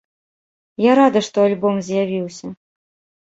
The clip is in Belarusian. Я рады, што альбом з'явіўся.